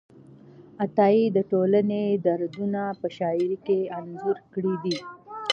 عطایي د ټولنې دردونه په شاعرۍ کې انځور کړي دي.